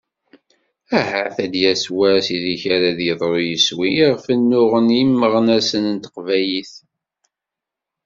Ahat! Ad d-yas wass, ideg ara d-yeḍru yiswi, iɣef nnuɣen yimeɣnasen n teqbaylit.